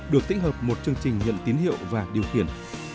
được tích hợp một chương trình nhận tín hiệu và điều khiển